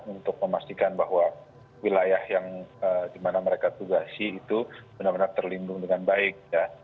untuk memastikan bahwa wilayah yang dimana mereka tugasi itu benar benar terlindung dengan baik